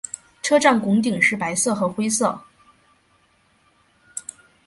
车站拱顶是白色和灰色。